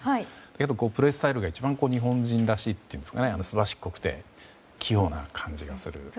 けどプレースタイルが一番日本人らしいというかすばしっこくて器用な感じがする。